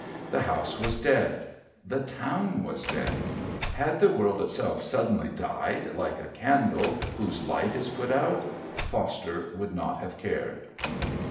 The house was dead; the town was dead; had the world itself suddenly died, like a candle whose light is put out, Foster would not have cared.